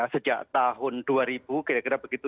sejak tahun dua ribu kira kira begitu